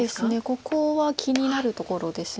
ここは気になるところです。